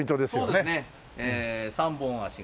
そうですね３本足が。